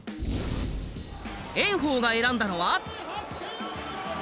炎鵬が選んだのは。